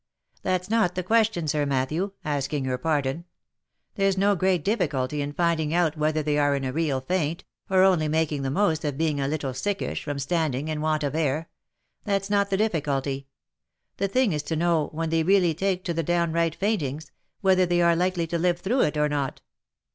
" That's not the question, Sir Matthew, asking your pardon. There's no great difficulty in finding out whether they are in a real faint, or only making the most of being a little sickish from stand ing, and want of air. That's not the difficulty. The thing is to know, when they really take to the downright faintings, whether they are likely to live through it or not."